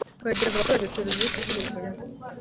kwegereza abaturage serivisi z ubuzima